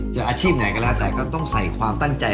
อาชีพไหนก็แล้วแต่ก็ต้องใส่ความตั้งใจ